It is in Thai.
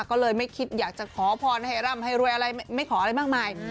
ก็เลยอยากจะขอพอร์มไทยร้ำให้รวยอะไรไม่ขออะไรมากมาย